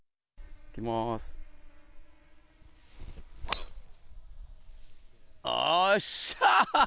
いきます、よっしゃ！